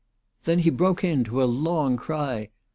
Then he broke into a long cry.